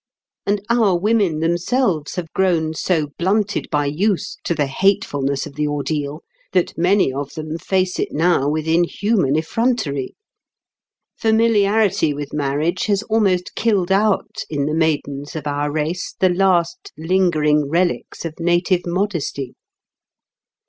And our women themselves have grown so blunted by use to the hatefulness of the ordeal that many of them face it now with inhuman effrontery. Familiarity with marriage has almost killed out in the maidens of our race the last lingering relics of native modesty.